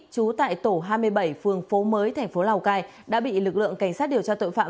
trú tại tổ hai mươi bảy phường phố mới thành phố lào cai đã bị lực lượng cảnh sát điều tra tội phạm